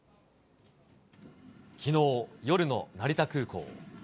きのう夜の成田空港。